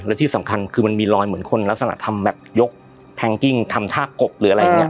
และที่สำคัญคือมันมีรอยเหมือนคนลักษณะทำแบบยกแพงกิ้งทำท่ากบหรืออะไรอย่างนี้